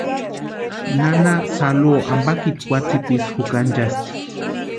Nana Saluo ampakiti kwatsitisï jukanchasti.